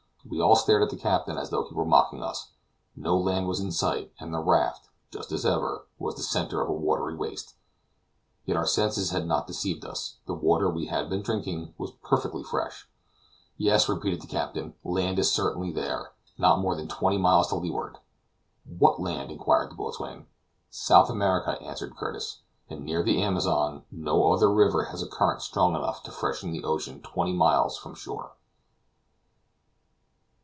We all stared at the captain as though he were mocking us: no land was in sight, and the raft, just as ever, was the center of a watery waste. Yet our senses had not deceived us; the water we had been drinking was perfectly fresh. "Yes," repeated the captain, "land is certainly there, not more than twenty miles to leeward." "What land?" inquired the boatswain. "South America," answered Curtis, "and near the Amazon; no other river has a current strong enough to freshen the ocean twenty miles from shore!"